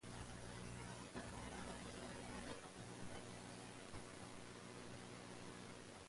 The tour also features traditional match-ups against Japan and Canada.